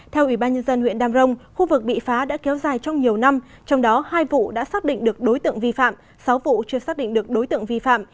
theo ubnd huyện đam rồng khu vực bị phá đã kéo dài trong nhiều năm trong đó hai vụ đã xác định được đối tượng vi phạm sáu vụ chưa xác định được đối tượng vi phạm